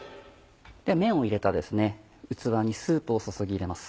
麺を入れた器にスープを注ぎ入れます。